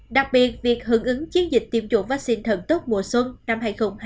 đặc biệt việc hưởng ứng chiến dịch tiêm chủng vaccine thần tốt mùa xuân năm hai nghìn hai mươi hai